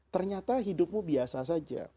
ternyata hidupmu biasa saja